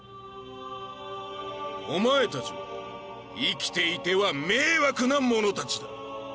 お前たちは生きていては迷惑な者たちだ